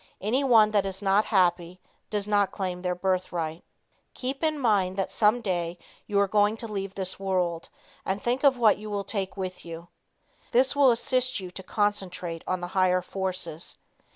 Anyone that is not happy does not claim their birthright. Keep in mind that some day you are going to leave this world and think of what you will take with you. This will assist you to concentrate on the higher forces.